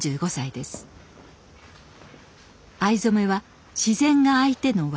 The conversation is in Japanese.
藍染めは自然が相手の技。